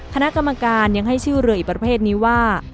คณะกรรมการยังให้ชื่อเรืออีกประเภทนี้ว่า